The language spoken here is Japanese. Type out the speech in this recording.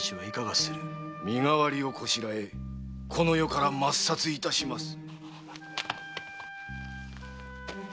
身代わりをこしらえこの世から抹殺いたします。